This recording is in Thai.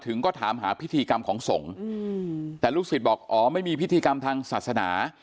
ก็ถามหาพิธีกรรมของสงฆ์แต่ลูกศิษย์บอกอ๋อไม่มีพิธีกรรมทางศาสนา